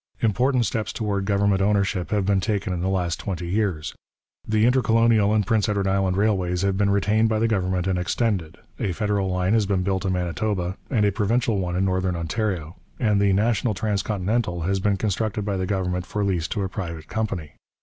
Important steps toward government ownership have been taken in the last twenty years. The Intercolonial and Prince Edward Island Railways have been retained by the government and extended, a federal line has been built in Manitoba and a provincial one in Northern Ontario, and the National Trans continental has been constructed by the government for lease to a private company.